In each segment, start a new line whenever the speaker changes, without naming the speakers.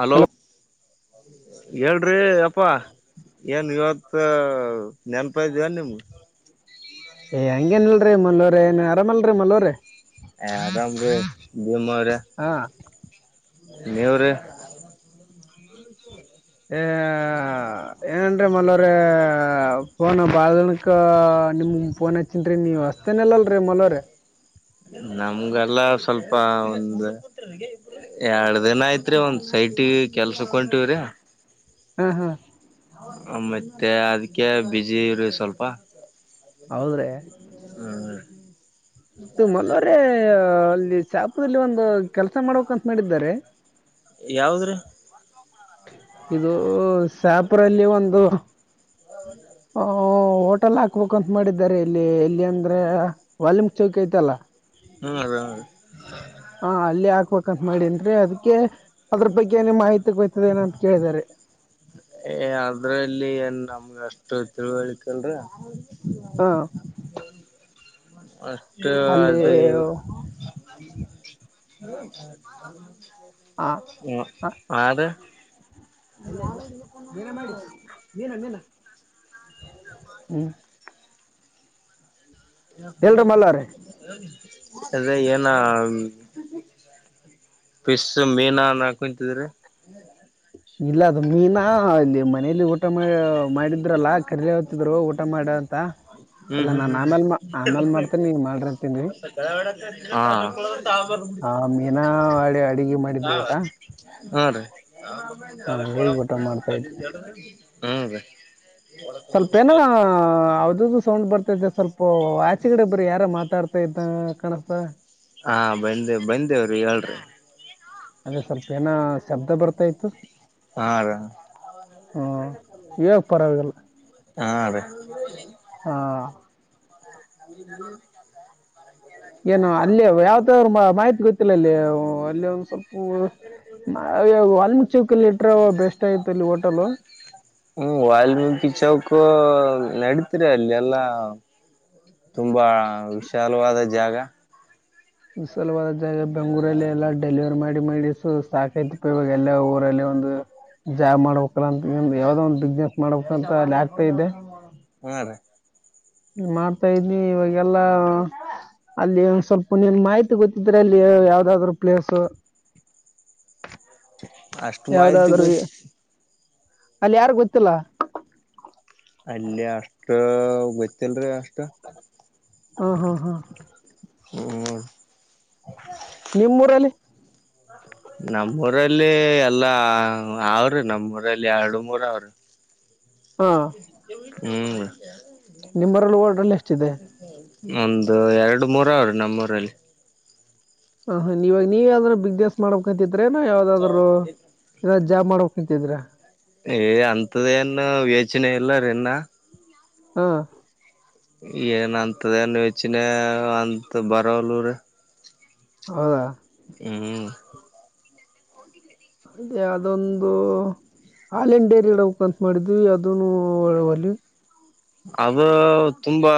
Hello [inaudible] ಹೇಳ್ರಿ ಅಪ್ಪಾ ಏನ್ ಇವತ್ತು ನೆನಪ ಆಯ್ತಾ ನಿಮಗ
ಏ [unintelligible] ರೀ ಮಲ್ಲೋರೆ ಆರಾಮ್ ಅಲ್ರಿ ಮಲ್ಲೋರೆ
ಆರಾಮ್ ರಿ ಭೀಮ್ ಅವರೇ
ಹಾ
ನೀವು ರಿ
ಆ ಏನ್ರೀ ಮಲ್ಲು ಅವರೇ ಫೋನ ಬಹಳ ದಿನಕ್ಕೆ ನಿಮ್ಫೋನ್ ಹಚ್ಚಿನ್್ರಿ ನೀವ್ ಅಸ್ೇನಲ್ಲ [unintelligible]
ನಮ್ಗೆಲ್ಲ ಸ್ವಲ್ಪ ಒಂದು [inaudible] ಎರಡು ದಿನ ಆಯ್ತ್ರಿ ಒಂದ್ ಸೈಟಿಗೆ ಕೆಲ್ಸಕ್ಕಟವ್ರಿ
ಹಾ ಹಾ [inaudible]
ಮತ್ತೆ ಅದಕ್ಕೆ ಬಿಜಿ ರೀ ಸ್ವಲ್ಪ ಹ್ಮ [inaudible]
ಮಲ್ಲು ಅವರೇ ಅಲ್ಲಿ ಚಾಪೆ ರೀ ಅಲ್ಲಿ ಒಂದು ಕೆಲಸ ಮಾಡ್ಬೇಕಕ್ ಅಂತ ಮಾಡಿದ್ದಾರೆ
ಯಾವ್ದ್ರೀ
ಇದು ಸಾಬ್ರಳ್ಳಿ ಒಂದು ಹ ಹೋಟೆಲ್ ಹಾಕ್ಬೇಕಂತ ಮಾಡಿದ್ದಾರೆ ಇಲ್ಲಿ ಇಲ್ಲಿ ಅಂದ್ರೆ ವಾಲ್ಯೂಮ್ ಚೌಕ ಐತಲ್ಲ
ಹ್ಮ ಅದ. [unintelligible]
ಹಾ ಅಲ್ಲಿ ಹಾಕ್ಬೇಕಂತ ಮಾಡೇನ ಅದಕ್ಕೆ ಅದ್ರು ಬಗ್ಗೆ ಮಾಹಿತಿ. ಗೊತ್ತದೇನೋ ಅಂತ ಕೇಳಿದಾರೆ
ಏ ಅದ್ರಲ್ಲಿ ಏನ್ ನಮ್ಗೆಷ್ಟ ತಿಳುವಳಿಕೆ ಇಲ್ರೀ
ಹಾ.
ಅಷ್ಟು
ಅಲ್ಲಿ
ಅದೆ. [inaudible]
ಆ,
ಹ ಅದ. [unintelligible]
ಎಲ್ಲ ಎಲ್ಲ ನೀನ ಮಾಡಿ ನೀನ ನೀ. [unintelligible] ಹ್ಮ್. [inaudible] ಎಲ್ರ ಮಲ್ಲವ್ರಿ
ಅದ ಏನ. ಪಿಸ್ ಮೀನ ನಕ್ ಕುಂತಿದ್ರಿ.
ಇಲ್ಲ ಅದು ಮೀನಾ ಅಲ್ಲಿ ಮನಲಿ ಊಟ ಮಾಡ. ಮಾಡಿದ್ರಲ್ಲಾ ಕರಿಲೆ ಹೋಗ್ತಿದ್ರು ಊಟ ಮಾಡ ಅಂತ. ಇಲ್ಲ ನಾನು ಆಮೇಲೆ ಮಾ
ಹ್ಮ್
ಆಮೇಲೆ ಮಾಡ್ತೀನಿ ಈಗ ಮಾಡ್ರಿ
ಹ್ಮ್
ಅಂತೀನಿ
ಹ್ಮ್ ಹ್ಮ.
ಹಾ ಮೀನಾ ಅಡಿ ಅಡುಿಗೆ ಮಾಡಿದ್ರು ಊಟ.
ಹಾ ರೀ
ಹಂಗಾಗಿ ಊಟ ಮಾಡ್ತಾ ಇದ್ವಿ
ಹ್ಮ್ ರೀ.
ಸ್ವಲ್ಪ ಏನ ಯಾವ್ದ್ದು ಸೌಂಡ್ ಬರ್ತೈತೆ ಸ್ವಲ್ಪ. ಅ ಆಚೆಗಡೆ ಬರ ಯಾರ ಮಾತಾಡ್ತಾ ಇದ್ದ ಕಾಣಸ್ತ.
ಹಾ ಬಂದೆ ಬಂದೇವ್ರಿ ಹೇಳ್ರರಿ.
ಅಂದ್ರೆ ಸ್ವಲ್ಪ ಏನ ಶಬ್ದ ಬರ್ತಾ ಇತತ್ತು.
ಹ.
ಹ್ಮ ಯಗ್ ಪರವಾಗಿಗೆಲ್ಲ.
ಹಾ ಅದೇ.
ಹಾ.
[unintelligible]
ಏನು ಅಲ್ಲಿ ಯಾವತ್ರ ಮಾಹಿತಿ ಗೊತ್ತಿಲ್ಲ ಅಲ್ಲಿ. ಅಲ್ಲಿ ಒಂದ್ ಸ್ವಲ್ಪ ಆಲ್ಮೀಗ್ ಚೌಕಲ್ಲಿ ಇಟ್ರ ಬೆಸ್ಟ್ ಆಯತ ಅಲ್ಲಿ ಹೋಟೆಲ್.
ಹ್ಮ್ ವಾಲ್ಮೀಕಿ ಚೌಕ ನಡತಿರಿ ಅಲ್ಲಿ ಎಲ್ಲಾ. ತುಂಬಾ ವಿಶಾಲವಾದ ಜಾಗ.
ವಿಶಲವಾದ ಜಾಗ ಬೆಂಗೂರಲ್ಲಿ ಎಲ್ಲ ಡೆಲಿವರ್. ಮಾಡಿ ಮಾಡ ಸು ಸಾಕೈತಿಪ್ಪ ಇವಾಗ ಎಲ್ಲಾ ಊರಲ್ಲಿ ಒಂದು. ಜಾಬ್ ಮಾಡ್ಬೇಕಲ್ಲ ಅಂತ ಯಾವ್ದೋ ಒಂದ್ ಬಿಸ್ನೆಸ್ ಮಾಡ್ಬೇಕಂತ ಅಲ್ಲಿ ಆಗ್ತಾ ಇದೆ.
ಹಾರ ರೀ.
ಮಾಡ್ತಾ ಇದಿದ್ನಿ ಇವಾಗೆಲ್ಲಾ. ಅಲ್ಲಿ ಸ್ವಲ್ಪ ನೀನ್ ಮಾಹಿತಿ ಗೊತ್ತಿದ್ರೆ ಅಲ್ಲಿ ಯಾವ್ದಾದ್ರರು ಪ್ಲೇಸ್. [inaudible] [unintelligible]
ಅಷ್ಟು ಮಾಹಿತಿ
ಯಾವ್ದಾದ್ರು
ಗೊ.
ಅಲ್ಲಿ ಯಾರ್ಗ್ ಗೊತ್ತಿಲ್ಲ.
ಅಲ್ಲಿ ಅಷ್ಟ ಗೊತ್ತಲ್ರಿ ಅಷ್ಟ.
ಹ್ಮ ಹಾ ಹಾ.
ಹ.
ನಿಮ್ಮೂರಲ್ಲಿ.
ನಮ್ಮೂಊರಲ್ಲಿ ಎಲ್ಲಾ ಅವ್ರ ನಮ್ಮೂರಲ್ಲಿ ಎರಡು ಮೂರ ಅವ್ರ.
ಹ. [inaudible]
ಹ್ಮ್.
ನಿಮ್ಮೂರಲ್ಲಿ ಹೋಟ್ಲ್ ಎಷ್ಟಿದೆ
ಒಂದು ಎರಡು ಮೂರ ಅವ್ರೀ ನಮ್ಮೂರಲ್ಲಿ.
ಹ ಹ ನೀವಾಗ ನೀವ ಯಾವದಾರೂ ಬಿಗ್ ದಸ್ ಮಾಡಬೇಕತಿ. ಅ್ರನ ಯಾವ್ದಾದ್ರು ಇ ಜಾಮ್ ಮಾಡಬೇಕಕ್ಂತಿದ್ರ.
ಏ ಅಂತದೇನು ಯೋಚನೆ ಇಲ್ಲ ರ ಇನ್ನ.
ಹಾ.
ಏನಂತದನು ಯೋಚನೆ ಅಂತ ಬರೋಲುರ
ಹೌದಾ.
ಹ್ಮ.
ಅದೆ ಅದೊಂದು. ಹಾಲನ್್ ಡೇರಿ ಹಡಬೇಕ ಅಂತ ಮಾಡಿದ್ವಿ ಅದನುಡಲ್ಲಿ.
ಅದು ತುಂಬಾ.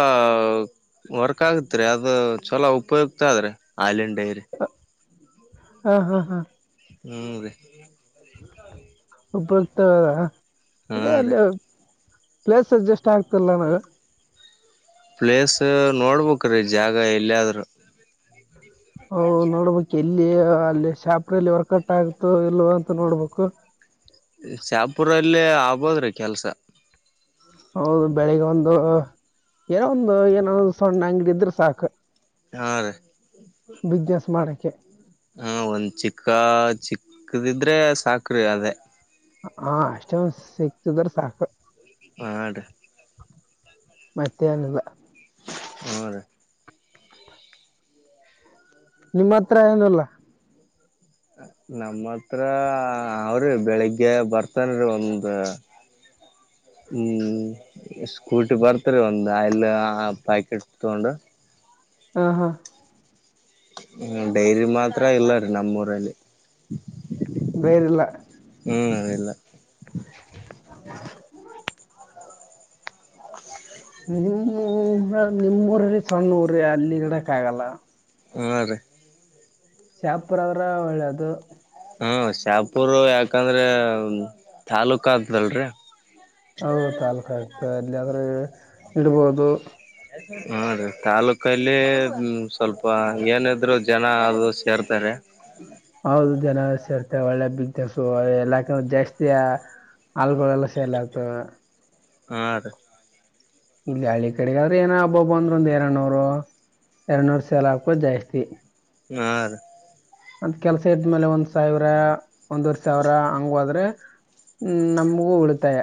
ವರ್ಕ್ ಆಗತ್ರಿ ಅದು ಚಲೋ ಉಪಯುಕ್ತ ಆದದ್ರೆ ಹಾಲಿನ ಡೈರಿ
ಹಾ ಹಾ ಹಾ.
ಹ್ಮ್ ರೀ.
ಒಬ್ಬರ್ತಾವದ
ಹಾ
ಅದೇ
ರೀ
ಅಲ್ಲಿ ಪ್ಲೇಸ್ಸ್. ಇಷ್ಟ ಆಗ್ತಲ್ಲ ನ
ಪ್ಲೇಸ್ ನೋಡ್ಬೇಕ್ರೀ ಜಾಗ ಎಲ್ಲಿಯಾದ್ರುೂ.
ಹೂ ನೋಡ್ಬೇಕ ಎಲ್ಲಿ. ಅಲ್ಲಿ ಶಾಪ್ರಲ್ಲಿ ವರ್ಕಟ್ ಆಗತು ಇಲ್ವ ಅಂತ ನೋಡ್ಬೇಕು.
ಶಾಪುರಲ್ಲ ಆಗ್ಬೋದ್ರಿ ಕೆಲ್ಸ.
ಹೌದು ಬೆಳಿಗ್ ಒಂದು ಏನೋ ಒಂದು ಏನಾದ ಸಣ್ಣ ಅಂಗಡ ಇದ್ರೆ ಸಾಕು.
ಹಾ ರೀ.
ಬಿಸ್ನೆಸ್ ಮಾಡಕ್ಕೆೆ.
ಹ ಒಂದ್ ಚಿಕ್ಕ ಚಿಕ್ಕದಿದ್ರೆ ಸಾಕ್ರಿ ಅದೇ.
ಹ ಅಷ್ಟಂದ ಸಿಕ್ತಿದ್ರ ಸಾಕು.
ಆ ರಿ.
ಮತ್ತೆ ಏನಿಲ್ಲ.
ಹ್ಮ ರಿ.
ನಿಮ್ಮ ಹತ್ರ ಏನಲ್ಲ.
ನಮ್ಮ ಹತ್ರ ಅವ್ರಿ ಬೆಳಿಗ್ಗೆ ಬರ್ತನ್ರಿ ಒಂದ.
ಹ [inaudible]
ಹ್ಞೂ ಸ್ಕೂಟಿ ಬರ್ತ ರೀ ಒಂದು ಆಯಿಲ್ ಪ್ಯಾಕೆಟ್ ತಗೊಂಡು.
ಹಾ ಹಾ.
ಹ್ಮ ಡೈರಿ ಮಾತ್ರ ಇಲ್ಲ ರೀ ನಮ್ಮೂರಲ್ಲಿ.
ಬೇರಿಲ್ಲ
ಹ್ಮ್ ಅದ ಇಲ್ಲ.
ನಿಮ್ಮೂ ನಿಮ್ಮೂರಲ್ಲಿ ಸಣ್ಣ ಊರ ಅಲ್ಲಿ ಗಿಡಕ್ ಆಗಲ್ಲ.
ಹೂ ರಿ
ಶಾಪುರ ಆದ್ರ ಒಳ್ಳೇದು.
ಹಾ ಶಾಪುರ್ ಯಾಕಂದ್ರೆ ತಾಲೂಕ ಅತದಲ್ರಿ.
ಹೌದು ತಾಲ್ಕು ಆಗ್ತ ಅಲ್ಲಿದ್ರೆ ಇಡ್ಬೋದು.
ಹಾ ರೀ ತಾಲೂಕಲ್ಲಿ ಸ್ವಲ್ಪ ಏನಾದ್ರು. ಜನ ಅದು ಸೇರ್ತಾರೆ.
ಹೌದು ಜನ ಸೇರ್ತ ಒಳ್ಳೆ ಬಿಗ್ನೆಸು ಎಲ್ಲಾಕ ಜಾಸ್ತ. ಹಲ್ಗಳೆಲ್ಲ ಸೇಲ್ ಆಗ್ತವೆ.
ಆ ರಿ
ಇಲ್ಲಿ ಹಳ್ಳಿ ಕಡೆಗಾದ್ರೆ ಏನ ಹಬ್ಬಬ್ ಅಂದ್ರರು ಒಂದು. [unintelligible] ಎರನೂರು ಸಲಾಕ್ಕಜಾಸ್ತಿ
ಆ
ಅಂತ ಕೆಲ್ಸ ಇದ್ಮೇಲೆ ಒಂದ್ ಸಾವಿರ ಒಂದವರ್ ಸಾವಿರ ಹಂಗೋದ್ರೆ ಹ್ಮ್ ನಮಗೂ ಉಳಿತಾಯ.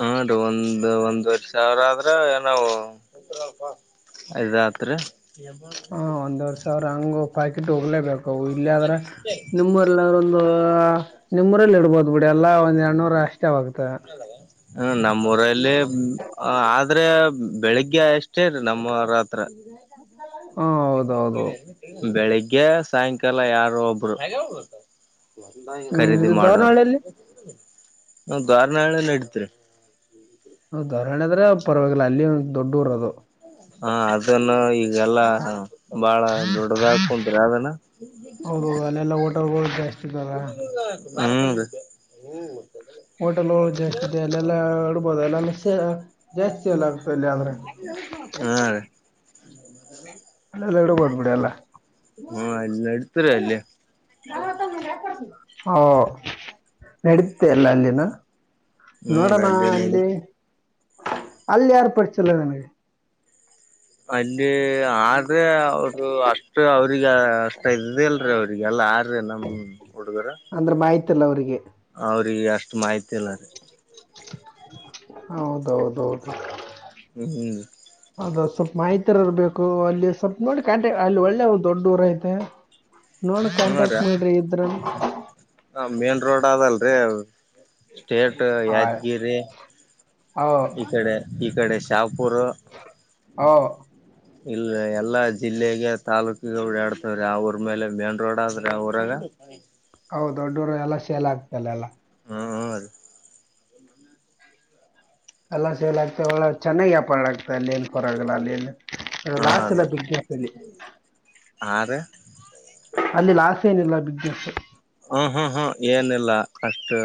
ಹಾ ರೀ ಒಂದ್ ಒಂದ್ವರ್ ಸಾವಿರ ಆದ್ರ ನಾವು. ಐದಾತ್ರಿ.
ಹ ಒಂದ್ವರ್ ಸಾವಿರ ಹಂಗ ಪಾಕೆಟ್ ಹೋಗ್ಲೇಬೇಕ ಇಲ್ಲ ಆದ್ರೆ ನಿಮ್ರೆಲ್ಲೊ ನಿಮರಲ್ಲಿ ಇಡ್ಬೋದು ಬಿಡಿ ಎಲ್ಲಾ ಒಂದ್ ಎರಡ್ನೂರ ಅಷ್ಟೇ ಆಗತ.
ಹ್ಮ ನಮ್ಮೂಊರಲ್ಲಿ ಆದ್ರೆ ಬೆಳಿಗ್ಗೆ ಅಷ್ಟೇ ನಮ್ಮ್ರ
ಹೂ.
ಬೆಳಿಗ್ಗೆ ಸಾಯಂಕಾಲ ಯಾರು ಒಬ್ರು
ಹ್ಮ್
ಖರೀದಿ
ಇದು
ಮಾಡಾರ.
ದಾವನಹಳ್ಳಿಯಲ್ಲಿ
ಹಾ ದಾರನಾಳ ನಡತ್ರಿ.
ಹ ಧೋರಣೆ ಅದ್ರೆ ಪರವಾಗಿಲ್ಲ ಅಲ್ಲಿ ದೊಡ್ಡ ಊರ ಅದು.
ಹಾ ಅದನ್ನು ಈಗೆಲ್ಲಾ ಬಾಳ ದೊಡ್ಡದ ಹಾ ಕುಂತ್ ಅದನ.
ಹೌದೌದು ಅಲ್ಲೆಲ್ಲಾ ಓಟ ಹೋಗ ಜಾಸ್ತಿ ಇ್ದದವ.
ಹ್ಮ್ ಹ್ಮ.
ಹೋಟೆಲ್ ಜಾಸ್ತಿ ಇದೆ ಅಲ್ಲೆಲ್ಲ ಈಡ್ಬೋದು ಎಲ್ಲ ಜಾಸ್ತಿ ಎಲ್ಲ.
ಹಾ ರೀ.
ಅಲ್ಲೆಲ್ಲ ಇಡ್ಬೋದು ಬಿಡಿ ಎಲ್ಲ
ಹಾ ಎಲ್ಲ ಅಡುತರ ಅಲ್ಲೇ
ಹಾ ನಡೀತೆ ಅಲ್ಲ ಅಲ್ಲಿನ
ಹ್ಮ್
ನೋಡೋಣ
ನಡಿ
ಅಲ್ಲಿ ಅಲ್ಲಿ ಯಾರ್ ಪಡಿಸಲ್ಲವೆನಗೆ
ಅಲ್ಲಿ ಆದ್ರೆ ಅವರು ಅಷ್ಟು ಅವ್ರಗ ಅಷ್ಟ ಇದಲ್ರಿೀ ಅವ್ರಿಗೆ ರಿಗೆಲ್ಲ ಯಾರ ರೀ ನಮ್ಮ ಹುಡುಗರ
ಅಂದ್ರೆ ಮಾಹಿತಿ ಅವರಿಗೆ
ಅವ್ರಿಗೆ ಅಷ್ಟು ಮಾಹಿತಿ ಇಲ್ಲ ರೀ
ದೌದೌದು
ಹ್ಮ್್ಮ
ಅ ಸ್ವಲ್ಪ ಮಹತ್ರರ್ ಬೇಕು ಅಲ್ಲಿ ಸ್ವಲ್ಪ ನೋಡಿ ಕಾಂಟೆ ಅಲ್ಲಿ ಒಳ್ಳೆ ದೊಡ್ಡ ಊರ ಐತೆ ನೋಡಿ
ಹ್ಮ
ಕಾಂಟ್ಯಾಕ್ಟ್
ರೀ
ಮಾಡ್ರಿ ಇದ್ರ
ಮೇನ್ ರೋಡ್ ಆದದಲ್ರಿ ಸ್ಟೇಟ್
ಆ,
ಯಾದಗಿರಿ
ಓ
ಈ ಕಡೆ ಈ ಕಡೆ ಶಾಪ್ ಪರ
ಓ
ಇಲ್ಲ ಎಲ್ಲಾ ಜಿಲ್ಲೆಗೆ ತಾಲೂಕು ಆಡ್ತವ್ರೆ ಅವ್ರ ಮೇಲೆ ಮ ರೋಡ ಆದ್ರೆ ಊರಾಗ
ಹೌದು ದೊಡ್ಡೋರು ಎಲ್ಲಾ ಶೇಲ ಆಗ್ತಲ್ಲ ಎಲ್ಲಾ
ಹಾ
ಎಲ್ಲ ಸೇಲ್ ಆಗ್ತ ಒ ಚೆನ್ನಾಗಿ ವ್ಯಾಪಾರ ಆಗ್ತದೆ ಅಲ್ಲಿನ್ ಪರಗಲ್ಲ ಅಲ್ಲಿಲ್ಲಿ
ಹಾ
ಲಾಸ್
ರೀ
ಎಲ ಬಿಗ್ ಜಾಸ್ಲ್ಲಿ
ಹಾ ರೀ
ಅಲ್ಲಿ ಲಾಸ್ ಏನಿಲ್ಲ ಬಿಗ್ ಬಸ್
ಹ ಹಾ ಹಾ ಏನಿಲ್ಲ ಅಷ್ಟು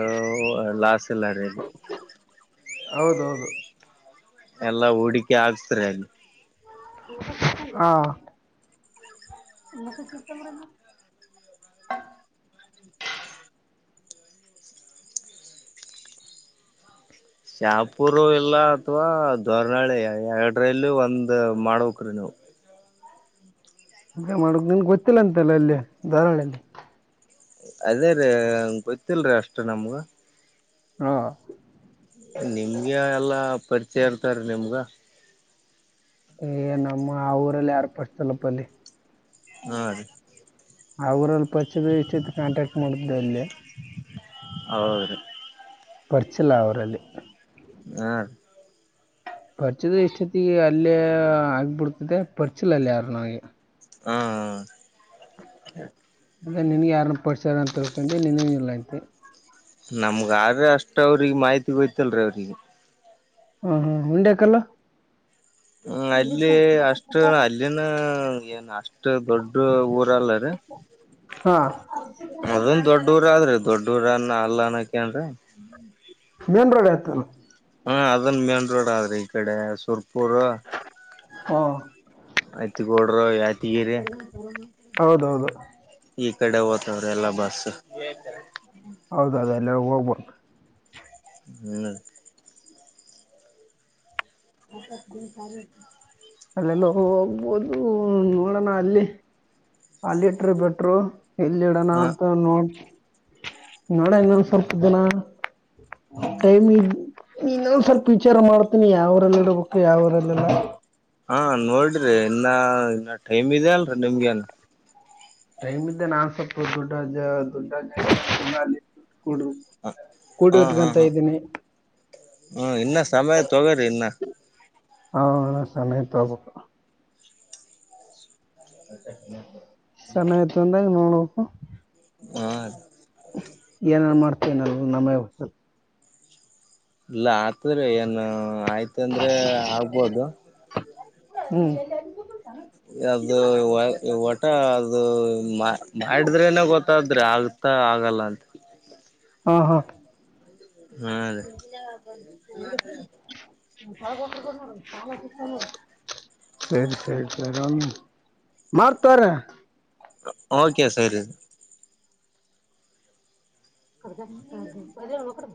ಲಾಸ್ ಇಲ್ಲ ಅಡಗೆ
ಹೌದೌದು
ಎಲ್ಲಾ ಹೂಡಿಕೆ ಆಾಕ್ತರಿ ಅಲ್ಲಿ
ಹ ಇನ್ನ ಸ ಚುತಮರಲ್ಲ
ಶಾಪೂರು ಇಲ್ಲ ಅಥವಾ ದೋರ್ನಾಳಿ ಎರಡ್ರಲ್ಲಿ ಒಂದ ಮಾಡ್ಬೇಕಕ್್ರೀ ನೀವವು
ಮಾಡಕ್ ನನ್ಗ್ ಗೊತ್ತಿಲ್ಲ ಅಂತಲ್ಲ ಅಲ್ಲಿ ಧಾರಾಳಲ್ಲಿ
ಅದೇ ರೀ ಗೊತ್ತಲ್ರಿ ಅಷ್ಟು ನಮ್ಗ
ಹ್ಮ
ನಿಮ್ಗೆ ಎಲ್ಲಾ ಪರಿಚಯ ಇರ್ತಾರ ನಿಮ್ಗ
ಏ ನಮ್ಮ ಆ ಊರಲ್ಲಿ ಯಾರ್ು ಪರ್ಸ್ತಲ್ಲಪ ಅಲ್ಲಿ
ಹಾ ರೀ
ಅವ್ರಲ್ಲಿ ಪಚ್ಚಿದ ಇಷ್ಟಿತ್ತು ಕಾಂಟ್ಯಾಕ್ಟ್ ಮಾಡ್ದ ಅಲ್ಲಿ
ಹೌದ್ರಿ
ಪರ್ಚಿಲ್ಲ ಅವರಲ್ಲಿ
ಆ
ಪರಿಚದ ಇಷ್ಟೊತ್ತಿಗೆ ಅಲ್ಲೇ ಆಗ್ಬಿಡ್ತದೆ ಪರ್ಚಲ ಅಲ್ಲಿ ಯಾರ ನಿ
ಹ್ಮ ಹ
ಅಂದ್ರೆ ನನ್ಗೆ ಯಾರನ್ನ ಪಡ್ಸಾರ ಅಂತ ತಿೇಳ್ಕೊಂಡೆ ನನು ಇಲ್ಲಂತೆ
ನಮ್ಗ್ರೀ ಅಷ್ಟ ಅವ್ರಿಗೆ ಮಾಹಿತಿ ಗೋಯ್ತಲ್ರಿೀ ಅವ್ರಿಗೆ
ಹಾ ಹಾ ಉಂಡ್ಯಾಕಲ್ಲ
ಹ್ಮ ಅಲ್ಲಿ ಅಷ್ಟು ಅಲ್ಲಿನ ಏನ್ ಅಷ್ಟ ದೊಡ್ಡ ಊರ ಅಲ್ಲ ರೀ
ಹಾಂ
ಅದೊಂದ ದೊಡ್ಡ ಊರ ಆದ್ರೆ ಅದು ದೊಡ್ಡೂರನ್ನ ಅಲ್ಲನಕನ್್ರೀ
ಮೇನ್ ರೋಡ್ ಇತಲ್ಲ
ಹಾ ಅದನ್ ಮೇನ್ ರೋಡ್ ಆದ್ರೆ ಈ ಕಡೆ ಸುರ್ಪ ಪುರ್
ಹಾಂ
ಐತ್ತುಗೋಡರು ಯಾತಿಗಿರಿ
ಹೌದೌದು
ಈ ಕಡೆ ಓ್ತವ್ರ ಎಲ್ಲಾ ಬಸ್
ಹೌದ ಅದ ಎಲ್ಲ ಹೋಗ್ಬೋದು
ಹ್ಮ್ ಹತ್ತ ಸಾರತ್ತು
ಅಲ್ಲೆ ನೋ ಹೋಗ್ಬೋದು ನೋಡೋಣ ಅಲ್ಲಿ ಅಲ್ಲಿ ಇಟ್ರ ಬಿಟ್ರು ಇಲ್ಲಿಡಣ
ಹ
ಅಂತ ನೋಡ್ ನೋಡಂಗೋ ಸ್ವಲ್ಪ ಇದ್ದನಾ ಟೈಮ್ ಇನ್ನೊಂದ್ ಸ್ವಲ್ಪ ವಿಚಾರ ಮಾಡ್ತೀನಿ ಯಾವ್ರಲ್ಲಿ ಇಡ್ಬೇಕು ಯಾವರಲ್ಲೆಲ್ಲ
ಹಾ ನೋಡ್ರಿ ಇನ್ನ ಇನ್ನ ಟೈಮ್ ಇದೆ ಅಲ್ರಿ ನಿಮ್ಗೆನ್
ಟೈಮ್ ಇ್ದ ನಾ ಸಪ್ಪ ದೊಡ್ಡ ದೊಡ್ಡ
ಹ ಹಾ ಹಾ ಹಾ
ಇದ್ದೀನಿ
ಹಾ ಇನ್ನು ಸಮಯ ತಗೋರಿ ಇನ್ನು
ಹ ಸಮಯ ತ ಹಬಬೇಕ ಚೆನ್ನಾಯ್ತು ಅಂದಾಗ ನೋಡ್ಬೇಕು
ಹ
ಏನಾರ ಮಾಡ್ತೇವನಲ್ಲ ನಮ್ಮೇ ಗತ
ಇಲ್ಲ ಆತದ್ರ ಏನ್ ಆಯ್ತಂದ್ರೆ ಆಗ್ಬೋದು
ಹ್ಮ
ಅದು ಒಟ ಅದು ಮಾಡಿದ್ರೆನ ಗೊತ್ತ ತಾದ್ರೆ ಆಗ್ತಾ ಆಗಲ್ಲ ಅಂತ
ಹಾ ಹಾ
ಹಾ ರೀ
ಸಡ ಸರಿ ಸರಿ ಸರಿ ಮಾಡಾರ್ತಾರ
ಓಕೆ ಸರಿ
ದ ಹ